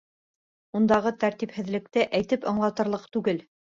Ундағы тәртипһеҙлекте әйтеп аңлатырлыҡ түгел.